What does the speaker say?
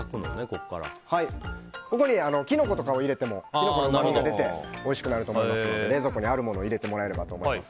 ここにキノコとかを入れてもキノコのうまみが出ておいしくなると思いますので冷蔵庫にあるものを入れてもらえればと思います。